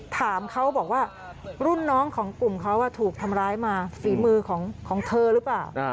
ถามเขาบอกว่ารุ่นน้องของกลุ่มเขาถูกทำร้ายมาฝีมือของเธอหรือเปล่า